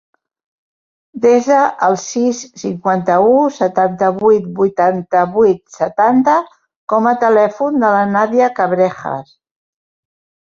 Desa el sis, cinquanta-u, setanta-vuit, vuitanta-vuit, setanta com a telèfon de la Nàdia Cabrejas.